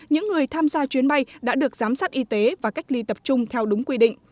những người tham gia chuyến bay đã được giám sát y tế và cách ly tập trung theo đúng quy định